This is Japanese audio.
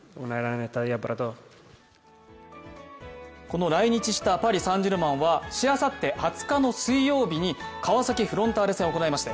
この来日したパリ・サンジェルマンはしあさって２０日の水曜日に川崎フロンターレ戦を行います。